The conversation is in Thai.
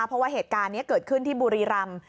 เพราะว่าเหตุการณ์นี้เกิดขึ้นที่บุรีรำ